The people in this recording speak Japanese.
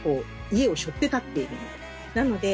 家を背負って立っているので。